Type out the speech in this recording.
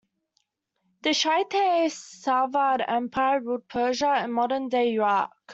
The Shi'ite Safavid Empire ruled Persia and modern-day Iraq.